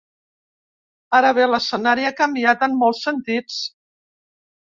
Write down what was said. Ara bé, l’escenari ha canviat en molts sentits.